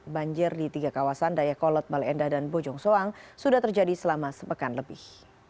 banjir di tiga kawasan dayakolot baleendah dan bojongsoang sudah terjadi selama sepekan lebih